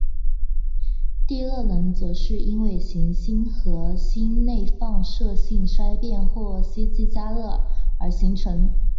地热能则是因为行星核心内放射性衰变或吸积加热而形成。